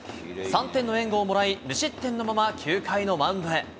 ３点の援護をもらい、無失点のまま９回のマウンドへ。